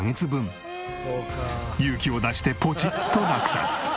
勇気を出してポチッと落札。